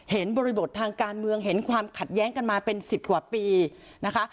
บริบททางการเมืองเห็นความขัดแย้งกันมาเป็น๑๐กว่าปีนะคะ